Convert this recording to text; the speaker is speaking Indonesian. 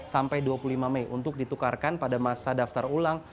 sampai dua puluh lima mei untuk ditukarkan pada masa daftar ulang